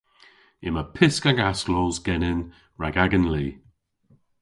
Yma pysk hag asklos genen rag agan li.